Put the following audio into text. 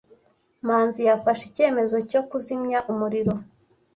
Manzi yafashe icyemezo cyo kuzimya umuriro.